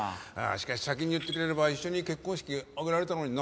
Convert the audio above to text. しかし先に言ってくれれば一緒に結婚式挙げられたのにな。